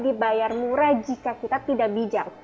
ini tidak dibayar murah jika kita tidak bijak